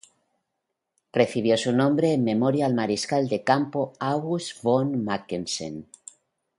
Recibió su nombre en memoria al Mariscal de campo August von Mackensen.